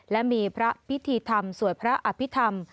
และมีพระพิธีธรรมสวดพระอภิษฐรรม